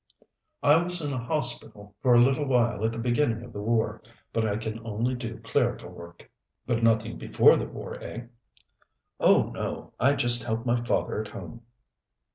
"I was in a hospital for a little while at the beginning of the war, but I can only do clerical work." "But nothing before the war, eh?" "Oh, no. I just helped my father at home."